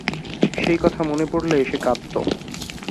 সেই কথা মনে পড়লে সে কাঁদতো।